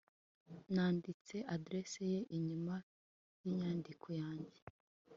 nanditse adresse ye inyuma yinyandiko yanjye